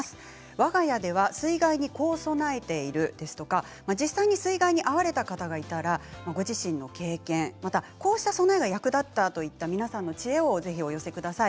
わが家では、水害にこう備えているとか実際に水害に遭われた方がいたらご自身の経験こうした備えが役立ったなど皆さんのお知恵をお寄せください。